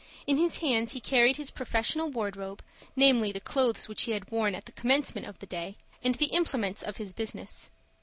In his hands he carried his professional wardrobe, namely, the clothes which he had worn at the commencement of the day, and the implements of his business.